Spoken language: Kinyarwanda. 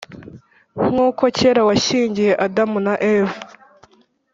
nkuko kera washyingiye adam na eva